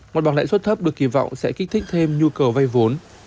một bảng lãnh xuất thấp được kỳ vọng sẽ kích thích thêm nhu cầu vai vốn